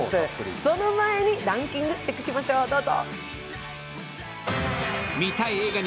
その前にランキングチェックにいきましょう、どうぞ。